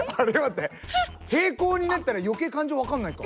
平行になったら余計感情分かんないか。